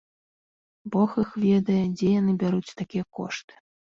Бог іх ведае, дзе яны бяруць такія кошты.